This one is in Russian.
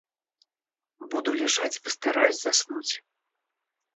Буду лежать и постараюсь заснуть.